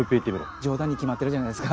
冗談に決まってるじゃないですか。